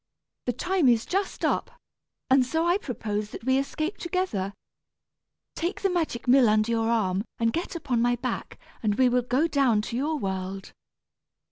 The time is just up, and so I propose that we escape together. Take the magic mill under your arm and get upon my back, and we will go down to your world."